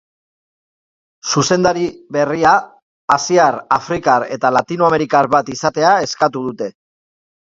Zuzendari berria asiar, afrikar edo latinoamerikar bat izatea eskatu dute.